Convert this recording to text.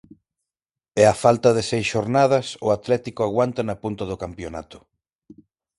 E á falta de seis xornadas, o Atlético aguanta na punta do campionato.